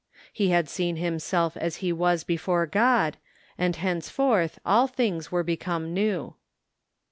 He had seen himself as he was before God, and henceforth all things were become new.